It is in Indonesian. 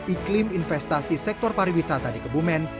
iklim investasi sektor pariwisata di kebumen